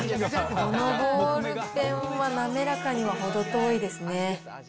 このボールペンは滑らかには程遠いですね。